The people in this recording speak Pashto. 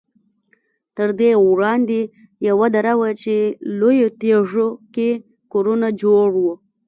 تر دې وړاندې یوه دره وه چې لویو تیږو کې کورونه جوړ وو.